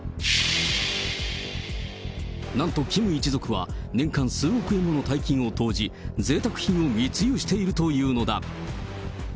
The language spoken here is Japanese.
なんとキム一族は、年間数億円もの大金を投じ、ぜいたく品を密輸しているというのだ。